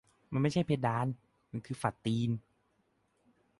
"มันไม่ใช่เพดาน มันคือฝ่าตีน"